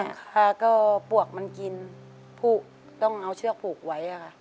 หลังคาก็ปวกมันกินพุกต้องเอาเชือกพูกไว้ค่ะ